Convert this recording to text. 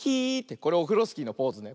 これオフロスキーのポーズね。